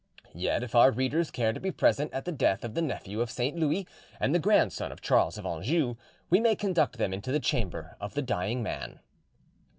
Yet if our readers care to be present at the death of the nephew of Saint Louis and the grandson of Charles of Anjou, we may conduct them into the chamber of the dying man.